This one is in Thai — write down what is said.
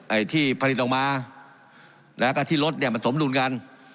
ไอ้ที่ผลิตออกมาแล้วก็ที่รถเนี่ยมันสมดุลกัน